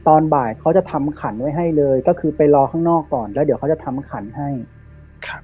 ตอนบ่ายเขาจะทำขันไว้ให้เลยก็คือไปรอข้างนอกก่อนแล้วเดี๋ยวเขาจะทำขันให้ครับ